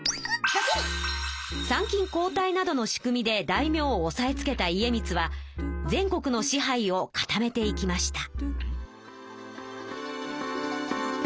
参勤交代などの仕組みで大名を抑えつけた家光は全国の支配を固めていきました。